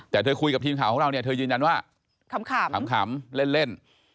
แต่เธอคุยกับทีมข่าวของเราเนี่ยเธอยืนยันว่าขำเล่น